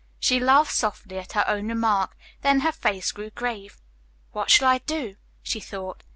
She laughed softly at her own remark, then her face grew grave. "What shall I do?" she thought.